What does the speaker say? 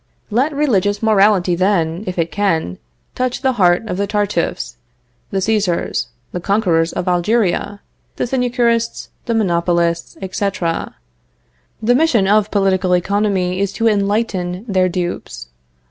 Let religious morality then, if it can, touch the heart of the Tartuffes, the Cæsars, the conquerors of Algeria, the sinecurists, the monopolists, etc. The mission of political economy is to enlighten their dupes.